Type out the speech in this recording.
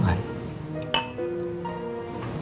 beneran gak apa apa